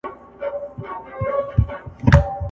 ولي چې له اوله سره یې په شعر کې